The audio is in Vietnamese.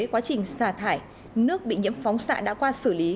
quá trình xà thải nước bị nhiễm phóng xạ đã qua xử lý